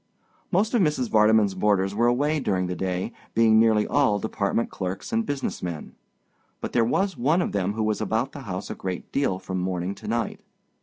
Most of Mrs. Vardeman's boarders were away during the day, being nearly all department clerks and business men; but there was one of them who was about the house a great deal from morning to night.